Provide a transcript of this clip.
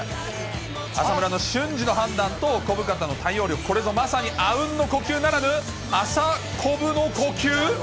浅村の瞬時の判断と、小深田の対応力、これぞまさにあうんの呼吸ならぬ、あさこぶの呼吸？